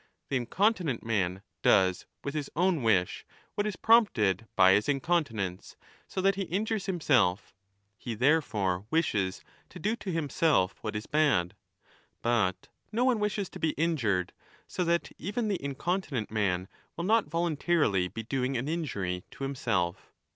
The incontinent man does with his own wish ^ what is prompted by his incon tinence, so that he injures himself; he therefore wishes to do to himself what is bad. But no one wishes to be injured, so that even the incontinent man will not volun tarily be doing an injury to himself.